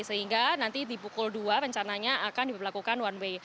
sehingga nanti di pukul dua rencananya akan diberlakukan one way